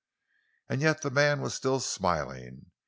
And yet the man was still smiling.